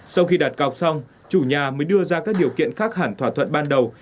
sau khi đặt cọc xong chủ nhà mới đưa ra các điều kiện khác hẳn thỏa thuận ban đầu